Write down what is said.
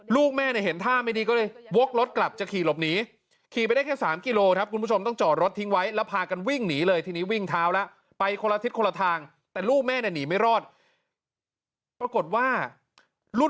ลูกแม่เห็นท่าไม่ดีก็เลยว๊อกรถกลับจะขี่หลบหนีขี่ไปได้แค่๓กิโลครับ